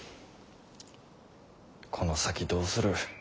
この先どうする？